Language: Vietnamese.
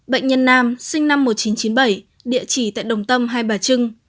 bệnh nhân nam sinh năm một nghìn chín trăm chín mươi bảy địa chỉ tại đồng tâm hai bà trưng